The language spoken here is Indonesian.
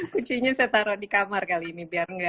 kucingnya saya taruh di kamar kali ini